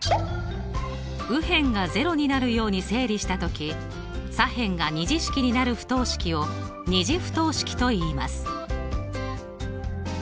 右辺が０になるように整理したとき左辺が２次式になる不等式を２次不等式といいます。